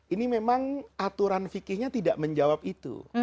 ini memang aturan fikihnya tidak menjawab itu